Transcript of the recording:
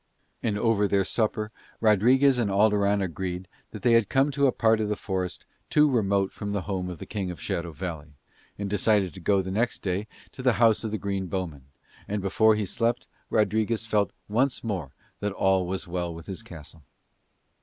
And over their supper Rodriguez and Alderon agreed that they had come to a part of the forest too remote from the home of the King of Shadow Valley, and decided to go the next day to the house of the green bowmen: and before he slept Rodriguez felt once more that all was well with his castle.